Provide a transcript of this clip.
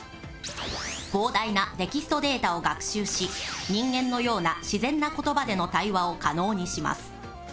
膨大なテキストデータを学習し人間のような自然な言葉での対話を可能にします。